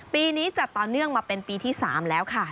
ปีนี้จัดต่อเนื่องมาเป็นปีที่๓แล้วค่ะ